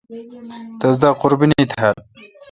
تس دا قربینی تھال۔